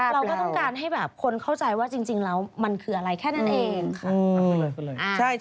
เราก็ต้องการให้แบบคนเข้าใจว่าจริงแล้วมันคืออะไรแค่นั้นเองค่ะ